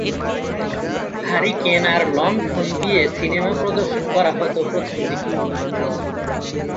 Hurricane আর লণ্ঠন দিয়ে সিনেমা প্রদর্শন করা হতো প্রথম দিকে।